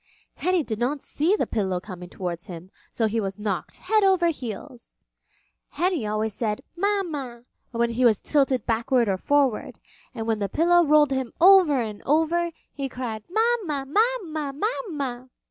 Henny did not see the pillow coming towards him so he was knocked head over heels. Henny always said "Mama" when he was tilted backward or forward, and when the pillow rolled him over and over, he cried, "Mama, Mama, Mama!"